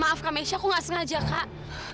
maaf kak mesha aku nggak sengaja kak